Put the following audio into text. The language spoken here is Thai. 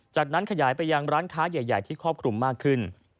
จากนั้นขยายไปยังร้านค้าใหญ่ที่ครอบคลุมมากขึ้น